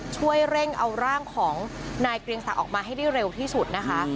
ช่วยเร่งเอาร่างของนายเกรียงศักดิ์ออกมาให้ได้เร็วที่สุดนะคะ